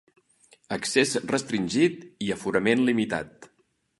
Accés restringit i aforament limitat.